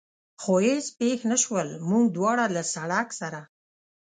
خو هېڅ پېښ نه شول، موږ دواړه له سړک سره.